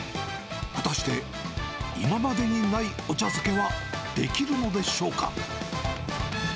果たして、今までにないお茶漬けはできるのでしょうか。